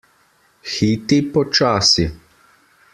Hiti počasi.